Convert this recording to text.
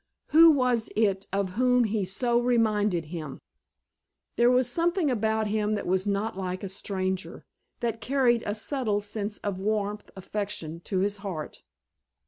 Who was it of whom he so reminded him? There was something about him that was not like a stranger, that carried a subtle sense of warmth, affection, to his heart.